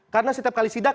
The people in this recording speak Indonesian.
karena setiap kali sidak